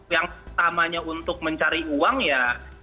yang pertamanya untuk mencari uang ya